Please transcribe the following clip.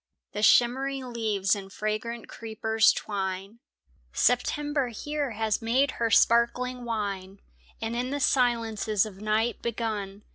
The shimmering leaves and fragrant creepers twine; September here has made her sparkling wine And, in the silences of night begun.